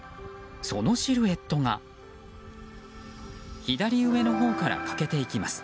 そのシルエットが左上のほうから欠けていきます。